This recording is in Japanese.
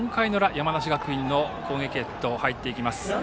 山梨学院の攻撃へと入っていきます。